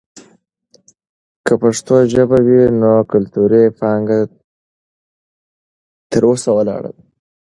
که پښتو ژبه وي، نو کلتوري پانګه تر اوسه ولاړه ده.